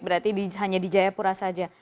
berarti hanya di jayapura saja